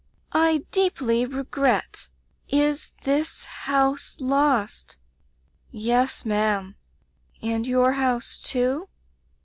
"'I deeply regret ' "*Is this house lost?' "'Yes, ma'am/ "'And your house, too?